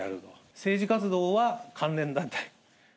政治活動は関連団体。